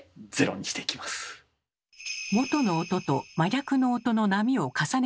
元の音と真逆の音の波を重ねて聞いてみると。